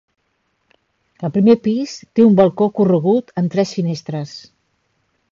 El primer pis té un balcó corregut amb tres finestres.